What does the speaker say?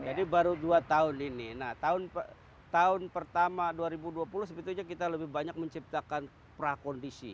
jadi baru dua tahun ini nah tahun pertama dua ribu dua puluh sebetulnya kita lebih banyak menciptakan prakondisi